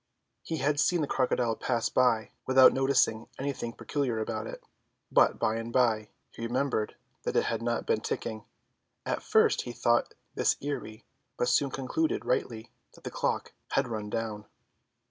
He had seen the crocodile pass by without noticing anything peculiar about it, but by and by he remembered that it had not been ticking. At first he thought this eerie, but soon concluded rightly that the clock had run down.